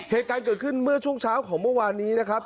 เหตุการณ์เกิดขึ้นเมื่อช่วงเช้าของเมื่อวานนี้นะครับ